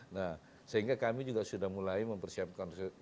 nah sehingga kami juga sudah mulai mempersiapkan konsep ini